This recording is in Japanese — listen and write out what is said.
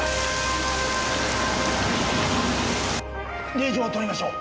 令状をとりましょう！